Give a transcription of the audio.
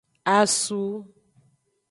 Asu.